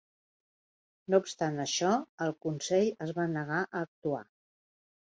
No obstant això, el consell es va negar a actuar.